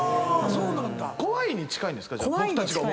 怖いに近いんですか？